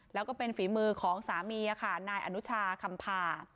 แล้วก็เป็นฝีมือของสามีค่ะนายอนุชาคำพา